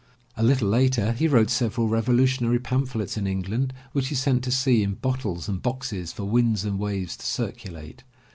A little later, he wrote several revolutionary pamphlets in England which he sent to sea in bottles and boxes for winds and waves to circulate.